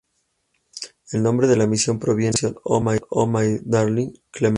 El nombre de la misión proviene de la canción Oh My Darling, Clementine.